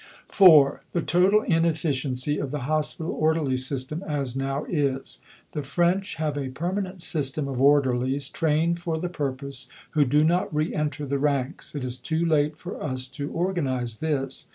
(4) The total inefficiency of the Hospital Orderly System as now is. The French have a permanent system of Orderlies, trained for the purpose, who do not re enter the ranks. It is too late for us to organize this.